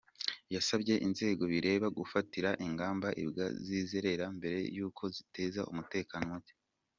Yasabye inzego bireba gufatira ingamba imbwa zizerera mbere y’uko ziteza umutekano mucye.